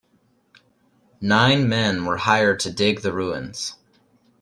Nine men were hired to dig the ruins.